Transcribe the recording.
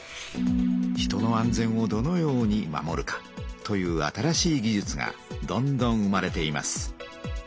「人の安全をどのように守るか」という新しい技術がどんどん生まれています。